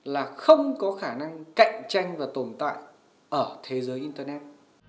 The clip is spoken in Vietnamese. là không có khả năng cạnh tranh và tồn tại ở thế giới internet